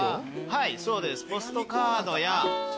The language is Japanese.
はいそうです。